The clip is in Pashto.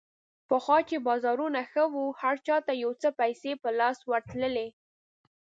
پخوا چې بازارونه ښه وو، هر چا ته یو څه پیسې په لاس ورتللې.